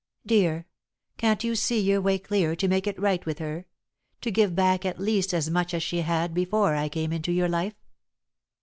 "Dear, can't you see your way clear to make it right with her to give back at least as much as she had before I came into your life?